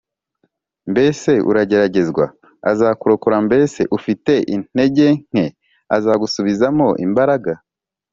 mbese urageragezwa? azakurokora mbese ufite intege nke? azagusubizamo imbaraga